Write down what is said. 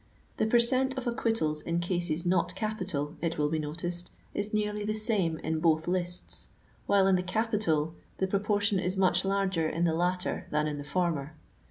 The per cent, of acquittals in cases not capital, it will be noticed, is nearly the same in both lists, while in the capital, the pro portion is much larger in the latter than in the former.